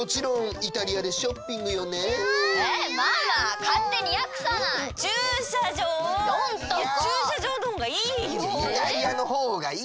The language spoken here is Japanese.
イタリアのほうがいい！